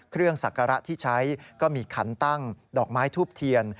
ศักระที่ใช้ก็มีขันตั้งดอกไม้ทูบเทียน